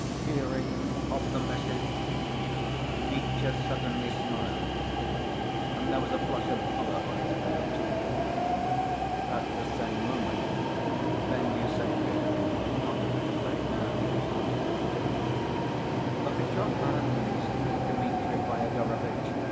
Hearing of the message, Mitya suddenly smiled, and there was a flush of color on his pale cheeks. At the same moment Fenya said to him, not a bit afraid now to be inquisitive: "Look at your hands, Dmitri Fyodorovitch.